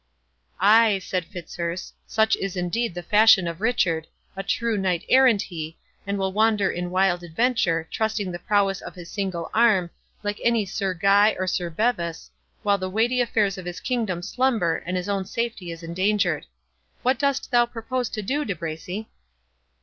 "Ay," said Fitzurse, "such is indeed the fashion of Richard—a true knight errant he, and will wander in wild adventure, trusting the prowess of his single arm, like any Sir Guy or Sir Bevis, while the weighty affairs of his kingdom slumber, and his own safety is endangered.—What dost thou propose to do De Bracy?"